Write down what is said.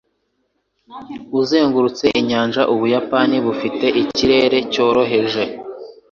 Uzengurutse inyanja, Ubuyapani bufite ikirere cyoroheje.